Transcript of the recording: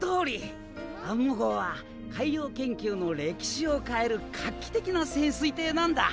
アンモ号は海洋研究の歴史を変える画期的な潜水艇なんだ！